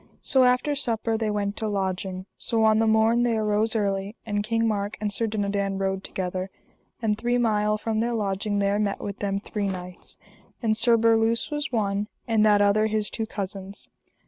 So after supper they went to lodging. So on the morn they arose early, and King Mark and Sir Dinadan rode together; and three mile from their lodging there met with them three knights, and Sir Berluse was one, and that other his two cousins.